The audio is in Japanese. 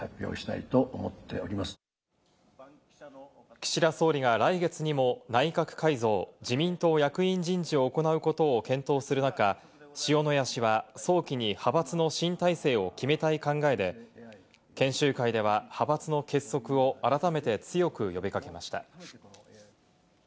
岸田総理が来月にも内閣改造・自民党役員人事を行うことを検討する中、塩谷氏は早期に派閥の新体制を決めたい考えで、研修会では派閥の結束を改めて強く呼び掛けました。